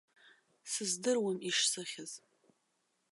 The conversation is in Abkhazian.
Сыздыруам ишсыхьыз.